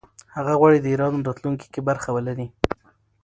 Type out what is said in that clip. هغه غواړي د ایران راتلونکې کې برخه ولري.